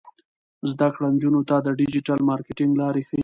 زده کړه نجونو ته د ډیجیټل مارکیټینګ لارې ښيي.